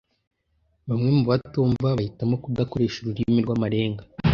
Bamwe mubatumva bahitamo kudakoresha ururimi rwamarenga.